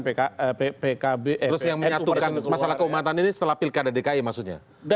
terus yang menyatukan masalah keumatan ini setelah pilkada dki maksudnya